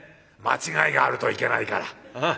間違いがあるといけないから。